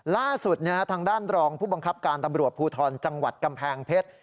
ล่าสุดทางด้านรองผู้บังคับการตำรวจภูทรจังหวัดกำแพงเพชร